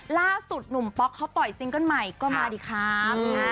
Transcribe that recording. ล่าสุดหนุ่มป๊อกเขาปล่อยซิงเกิ้ลใหม่ก็มาดีครับ